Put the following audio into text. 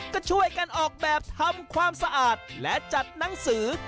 ก็ช่วยกันออกแบบทำความสะอาดและจัดหนังสือ